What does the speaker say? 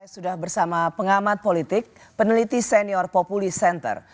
sudah bersama pengamat politik peneliti senior populi center